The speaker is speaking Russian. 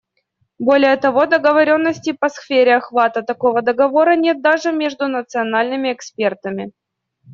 Более того, договоренности по сфере охвата такого договора нет даже между национальными экспертами.